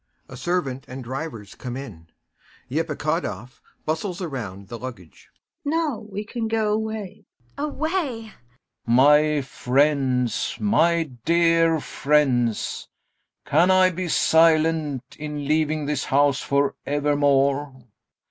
A servant and drivers come in. EPIKHODOV bustles around the luggage] Now we can go away. ANYA. [Joyfully] Away! GAEV. My friends, my dear friends! Can I be silent, in leaving this house for evermore?